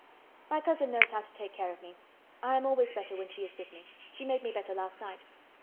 "My cousin knows how to take care of me. I am always better when she is with me. She made me better last night.